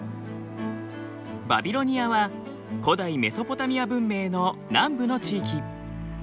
バビロニアは古代メソポタミア文明の南部の地域。